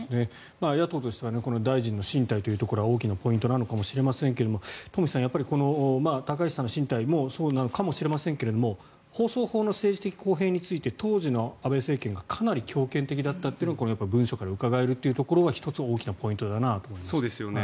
野党としては大臣の進退というところは大きなポイントなのかもしれませんが、東輝さん高市さんの進退もそうなのかもしれませんが放送法の政治的公平について当時の安倍政権がかなり強権的だったというのが文書からうかがえるというところが１つ、大きなポイントだと思います。